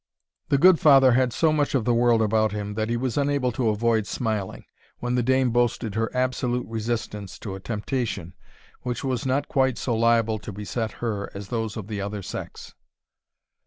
The good father had so much of the world about him, that he was unable to avoid smiling, when the dame boasted her absolute resistance to a temptation, which was not quite so liable to beset her as those of the other sex.